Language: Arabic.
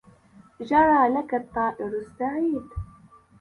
جرى لك الطائر السعيد